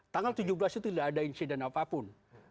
tanggal tujuh belas itu tidak ada insiden apapun